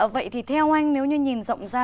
vậy thì theo anh nếu như nhìn rộng ra